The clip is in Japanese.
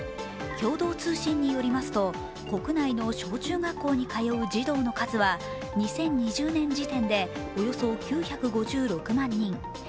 共同通信によりますと国内の小中学校に通う児童の数は２０２０年時点でおよそ９５６万人。